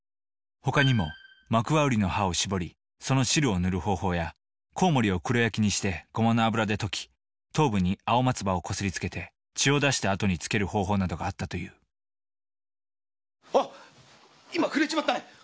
他にも甜瓜の葉を搾りその汁を塗る方法やコウモリを黒焼きにしてゴマの油で溶き頭部に青松葉をこすりつけて血を出したあとにつける方法などがあったというえっ？